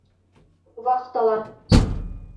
Вахтала.